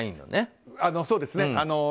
そうですね。